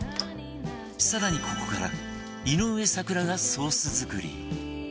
更にここから井上咲楽がソース作り